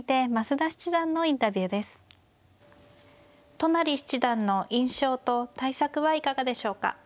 都成七段の印象と対策はいかがでしょうか。